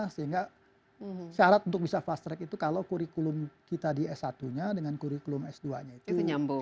sehingga syarat untuk bisa fast track itu kalau kurikulum kita di s satu nya dengan kurikulum s dua nya itu